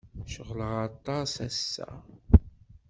Ceɣleɣ aṭas ass-a.